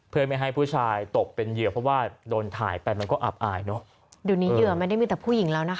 เพื่อไม่ให้ผู้ชายตกเป็นเหยื่อเพราะว่าโดนถ่ายไปมันก็อับอายเนอะเดี๋ยวนี้เหยื่อไม่ได้มีแต่ผู้หญิงแล้วนะคะ